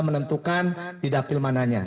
menentukan di dapil mananya